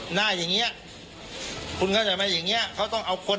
หน้าอย่างเงี้ยคุณเข้าใจไหมอย่างเงี้เขาต้องเอาคน